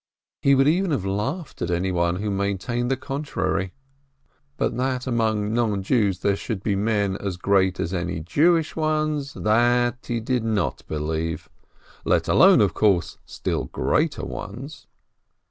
He would even have laughed at anyone who had maintained the contrary. But that among non Jews there should be men as great as any Jewish ones, that 'he did not believe !— let alone, of course, still greater ones.